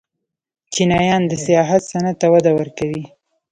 چینایان د سیاحت صنعت ته وده ورکوي.